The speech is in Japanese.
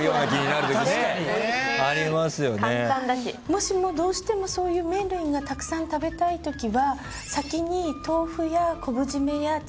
もしもどうしてもそういう麺類がたくさん食べたいときは。